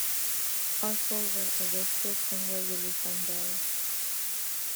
All four were arrested and were released on bail.